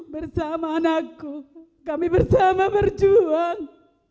bersama anakku kami bersama berjuang